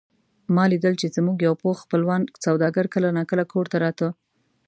ما لیدل چې زموږ یو پوخ خپلوان سوداګر کله نا کله کور ته راته.